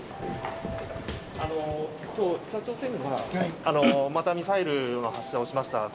北朝鮮がまたミサイルの発射をしました。